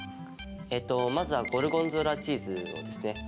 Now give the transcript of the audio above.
えっとまずはゴルゴンゾーラチーズをですね